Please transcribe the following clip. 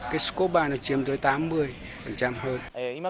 cái scopa nó chiếm tới tám mươi hơn